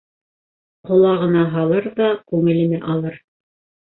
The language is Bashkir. Ҡолағына һалыр ҙа, күңеленә алыр.